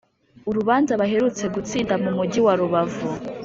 Urubanza baherutse gutsinda mu mugi wa Rubavu